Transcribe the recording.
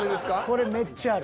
これめっちゃある。